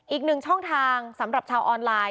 อีกหนึ่งช่องทางสำหรับชาวออนไลน์